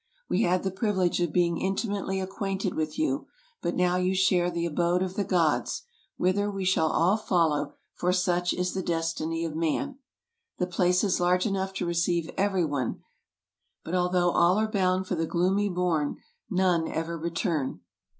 We had the privilege of being inti mately acquainted with you; but now you share the abode of the gods, whither we shall all follow, for such is the des tiny of man. The place is large enough to receive every one ; but although all are bound for the gloomy bourn, none ever return."